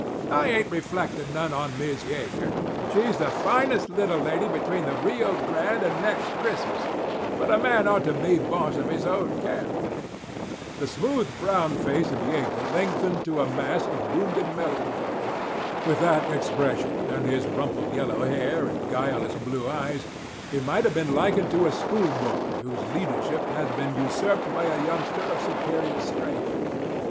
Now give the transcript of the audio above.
I ain't reflectin' none on Miz Yeager—she's the finest little lady between the Rio Grande and next Christmas—but a man ought to be boss of his own camp." The smooth, brown face of Yeager lengthened to a mask of wounded melancholy. With that expression, and his rumpled yellow hair and guileless blue eyes, he might have been likened to a schoolboy whose leadership had been usurped by a youngster of superior strength.